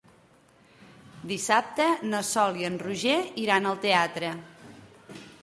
Dissabte na Sol i en Roger iran al teatre.